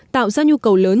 tạo ra nhu cầu lớn